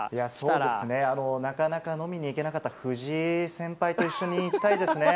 そうですね、なかなか飲みにいけなかった、藤井先輩と一緒に行きたいですね。